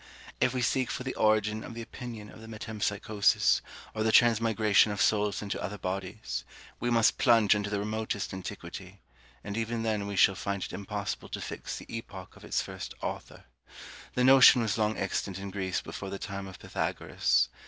If we seek for the origin of the opinion of the metempsychosis, or the transmigration of souls into other bodies, we must plunge into the remotest antiquity; and even then we shall find it impossible to fix the epoch of its first author. The notion was long extant in Greece before the time of Pythagoras.